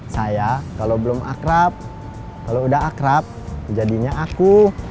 saya kalau belum akrab kalau udah akrab jadinya aku